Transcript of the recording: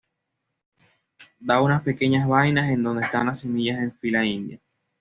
Da unas pequeñas vainas en donde están las semillas en fila india.